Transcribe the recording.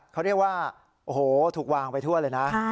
เขาเรียกว่าโอ้โหถูกวางไปทั่วเลยนะ